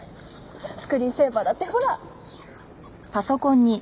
スクリーンセーバーだってほら。